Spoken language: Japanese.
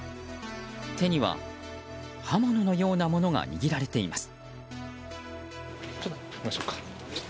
手には刃物のようなものが握られています。